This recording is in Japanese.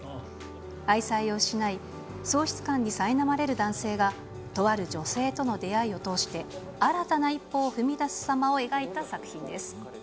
愛妻を失い、喪失感にさいなまれる男性が、とある女性との出会いを通して、新たな一歩を踏み出すさまを描いた作品です。